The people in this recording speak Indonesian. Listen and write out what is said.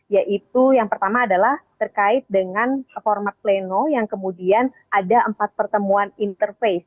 yaitu yang pertama adalah terkait dengan format pleno yang kemudian ada empat pertemuan interface